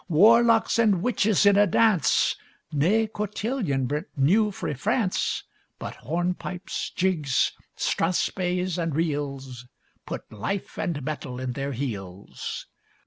Warlocks and witches in a dance; Nae cotillion brent new frae France, But hornpipes, jigs, strathspeys, and reels Put life and mettle in their heels.